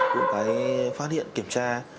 cũng phải phát hiện kiểm tra